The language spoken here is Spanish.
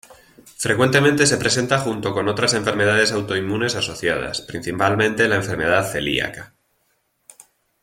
Frecuentemente se presenta junto con otras enfermedades autoinmunes asociadas, principalmente la enfermedad celíaca.